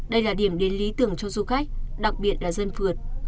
đây là điểm đến lý tưởng cho du khách